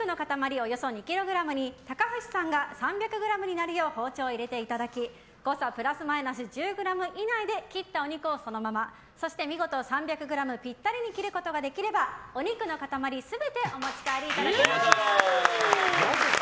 およそ２ｋｇに高橋さんが３００ｇになるよう包丁を入れていただき誤差プラスマイナス１０ｇ以内で切ったお肉をそのままそして見事３００ｇぴったりに切ることができればお肉の塊全てお持ち帰りいただけます。